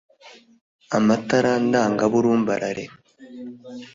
amatara ndanga burumbarare